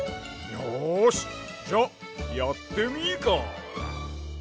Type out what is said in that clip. よしじゃやってみーか！